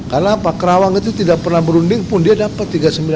karena pak rawang itu tidak pernah berunding pun dia dapat tiga sembilan ratus sembilan belas